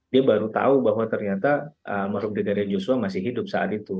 dia baru tahu bahwa ternyata mahluk dekade joshua masih hidup saat itu